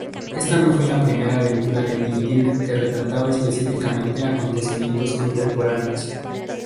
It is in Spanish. Esta no fue la primera aventura de Tintín que retrataba específicamente acontecimientos contemporáneos.